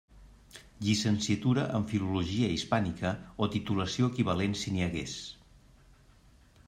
Llicenciatura en Filologia Hispànica, o titulació equivalent si n'hi hagués.